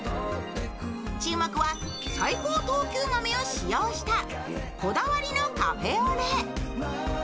注目は、最高等級豆を使用したこだわりのカフェオレ。